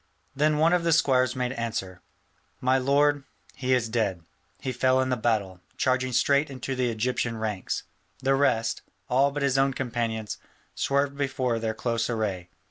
Then one of the squires made answer, "My lord, he is dead: he fell in the battle, charging straight into the Egyptian ranks: the rest, all but his own companions, swerved before their close array.